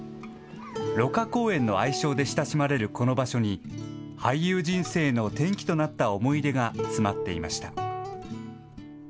芦花公園の愛称で親しまれるこの場所に、俳優人生の転機となった思い出が詰まっていました。